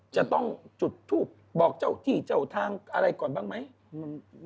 จะต้องจุดทูปบอกเจ้าที่เจ้าทางอะไรก่อนบ้างไหม